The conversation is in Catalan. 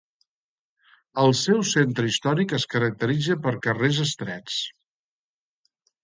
El seu centre històric es caracteritza per carrers estrets.